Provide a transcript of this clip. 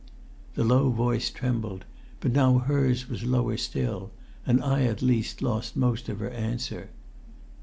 The low voice trembled, but now hers was lower still, and I at least lost most of her answer